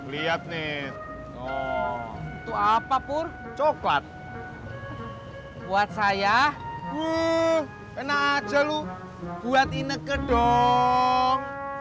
lihat nih oh itu apapun coklat buat saya enak aja lu buat inek ke dong